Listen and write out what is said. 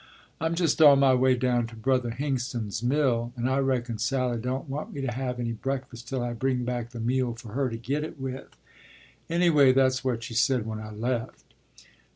“I'm just on my way down to Brother Hingston's mill, and I reckon Sally don't want me to have any breakfast till I bring back the meal for her to git it with; anyway that's what she said when I left.